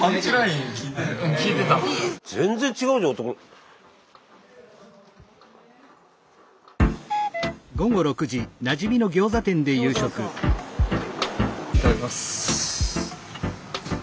いただきます。